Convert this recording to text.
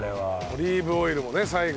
オリーブオイルもね最後。